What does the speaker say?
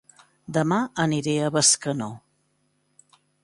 Dema aniré a Bescanó